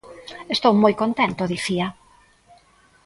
"Estou moi contento", dicía.